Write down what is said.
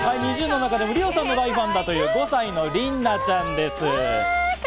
ＮｉｚｉＵの中でもＲＩＯさんの大ファンという５歳のりんなちゃんです。